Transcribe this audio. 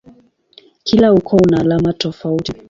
Kila ukoo una alama tofauti.